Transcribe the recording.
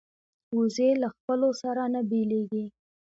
وزې له خپلو سره نه بیلېږي